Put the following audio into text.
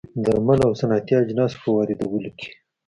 درملو او صنعتي اجناسو په واردولو کې